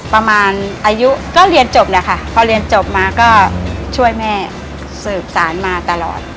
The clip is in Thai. ประมาณอายุก็เรียนจบแหละค่ะพอเรียนจบมาก็ช่วยแม่สืบสารมาตลอด